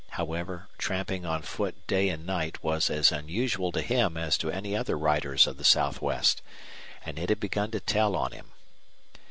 However, tramping on foot day and night was as unusual to him as to any other riders of the Southwest, and it had begun to tell on him.